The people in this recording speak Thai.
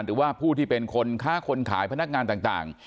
หรือว่าผู้ที่เป็นคนค้าคนขายพนักงานต่าง